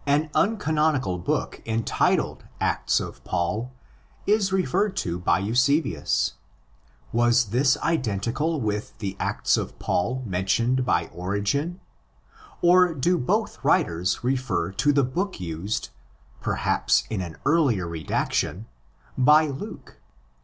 } An uncanonical book entitled Acts of Paul 18 referred to by Eusebius. Was this identical with the Acts of Paul mentioned by Origen? And do both writers refer to the book used (perhaps in an earlier redaction) by Luke?